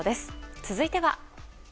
続いては。